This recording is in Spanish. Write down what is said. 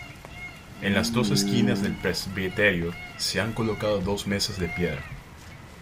En las dos esquinas del presbiterio se han colocado dos mesas de piedra.